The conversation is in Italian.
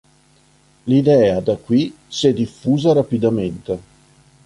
L'idea, da qui, si è diffusa rapidamente.